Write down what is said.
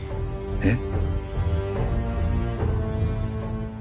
えっ？